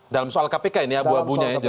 dalam soal kpk ini abu abunya ya